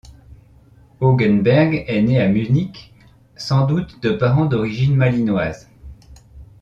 Hogenberg est né à Munich, sans doute de parents d'origine malinoise.